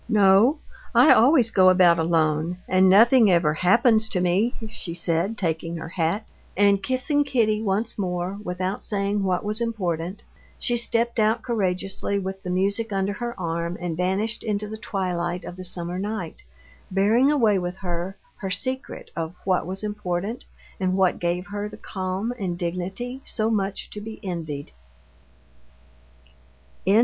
"No, I always go about alone and nothing ever happens to me," she said, taking her hat. And kissing Kitty once more, without saying what was important, she stepped out courageously with the music under her arm and vanished into the twilight of the summer night, bearing away with her her secret of what was important and what gave her the calm and dignity so much to be envied.